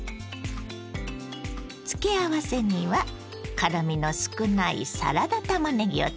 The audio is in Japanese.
付け合わせには辛みの少ないサラダたまねぎを使います。